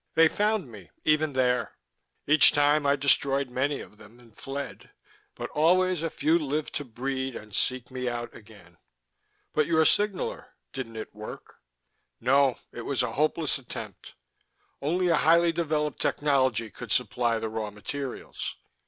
"They found me even there. Each time I destroyed many of them, and fled. But always a few lived to breed and seek me out again." "But your signaller didn't it work?" "No. It was a hopeless attempt. Only a highly developed technology could supply the raw materials.